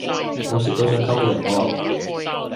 冇識到想溝嘅人喎